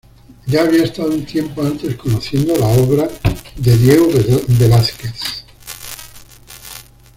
Ya había estado un tiempo antes conociendo la obra de Diego Velázquez.